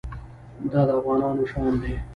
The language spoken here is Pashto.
دا د افغانانو شان دی.